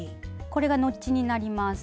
これがノッチになります。